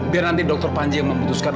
biar nanti dr panji yang memutuskan